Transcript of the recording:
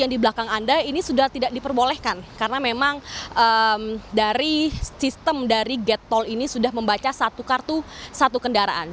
di belakang anda ini sudah tidak diperbolehkan karena memang dari sistem dari gate tol ini sudah membaca satu kartu satu kendaraan